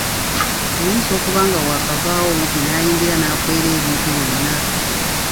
Oyinza okuba nga wakavaawo omubbi nayingira nakwera ebintu byonna.